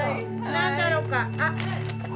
何だろうか？